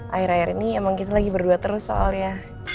akhir akhir ini emang kita lagi berdua terus soalnya